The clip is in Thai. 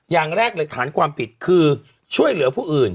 อย่างแรกเลยฐานความผิดคือช่วยเหลือผู้อื่น